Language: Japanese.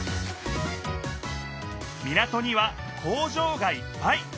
港には工場がいっぱい！